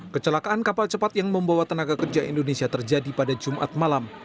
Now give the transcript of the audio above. kecelakaan kapal cepat yang membawa tenaga kerja indonesia terjadi pada jumat malam